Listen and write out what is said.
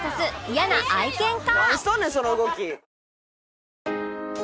嫌な愛犬家